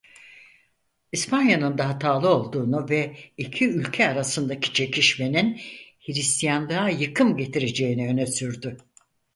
İspanya'nın da hatalı olduğunu ve iki ülke arasındaki çekişmenin Hristiyanlığa yıkım getireceğini öne sürdü.